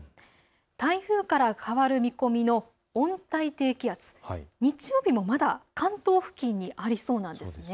台風から変わる見込みの温帯低気圧、日曜日もまだ関東付近にありそうなんです。